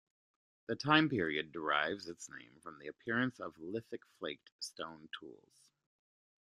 The time period derives its name from the appearance of "Lithic flaked" stone tools.